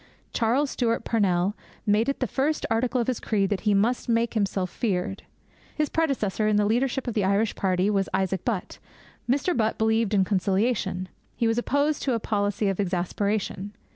Charles Stewart Parnell made it the first article of his creed that he must make himself feared. His predecessor in the leadership of the Irish party was Isaac Butt. Mr. Butt believed in conciliation. He was opposed to 'a policy of exasperation.'